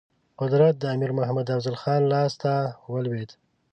قدرت د امیر محمد افضل خان لاسته ولوېد.